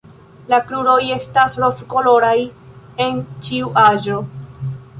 La kruroj estas rozkoloraj en ĉiu aĝo.